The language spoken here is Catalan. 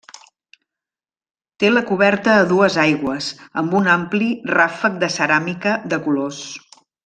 Té la coberta a dues aigües, amb un ampli ràfec de ceràmica de colors.